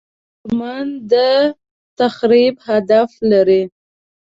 دښمن د تخریب هدف لري